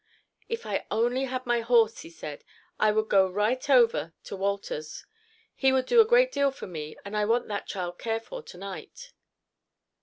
"If I only had my horse," he said, "I would go right over to Wolters's. He would do a great deal for me, and I want that child cared for to night."